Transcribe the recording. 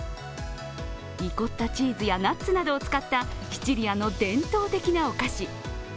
リコッタチーズやナッツなどを使ったシチリアの伝統的なお菓子。